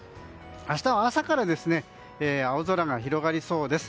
明日は朝から青空が広がりそうです。